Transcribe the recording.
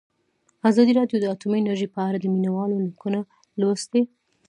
ازادي راډیو د اټومي انرژي په اړه د مینه والو لیکونه لوستي.